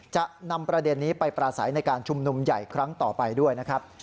จะนำประเด็นนี้ไปปราศัยในการชุมนุมใหญ่ครั้งต่อไปด้วยนะครับ